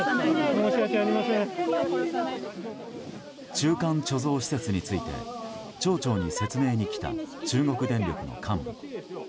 中間貯蔵施設について町長に説明に来た中国電力の幹部。